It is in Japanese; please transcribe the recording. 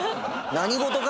「何事か！」